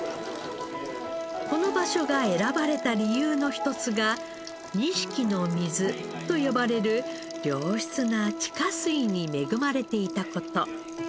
この場所が選ばれた理由の一つが錦の水と呼ばれる良質な地下水に恵まれていた事。